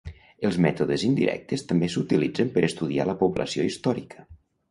Els mètodes indirectes també s'utilitzen per estudiar la població històrica.